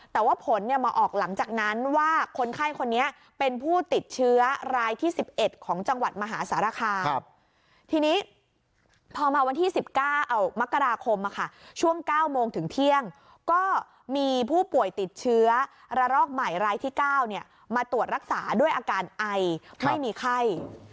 แต่ว่าผลมาออกหลังจากนั้นว่าคนไข้คนนี้เป็นผู้ติดเชื้อรายที่๑๑ของจังหวัดมหาสารคามทีนี้พอมาวันที่๑๙มกราคมช่วง๙โมงถึงเที่ยงก็มีผู้ป่วยติดเชื้อระลอกใหม่รายที่๙มาตรวจรักษาด้วยอาการไอไม่มีไข้